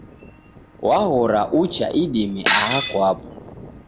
Waghora ucha idime aha kwapo